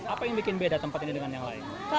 apa yang bikin beda tempat ini dengan yang lain